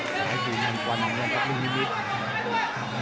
ขอให้ดูนั่นกว่าน้ำเงินกับลุงนิมิตร